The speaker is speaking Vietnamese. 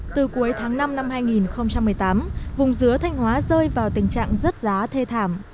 từ cuối tháng năm năm hai nghìn một mươi tám vùng dứa thanh hóa rơi vào tình trạng rớt giá thê thảm